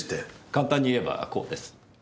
簡単に言えばこうです。